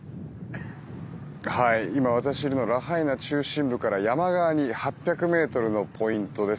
今、私がいるのはラハイナ中心部から山側に８００ｍのポイントです。